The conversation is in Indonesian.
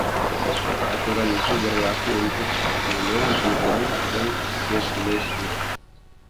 Aturan itu berlaku untuk Funen, Jutland, dan Schleswig.